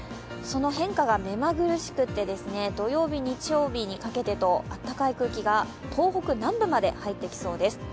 その変化が目まぐるしくて、土曜日日曜日にかけて暖かい空気が東北南部まで入ってきそうです。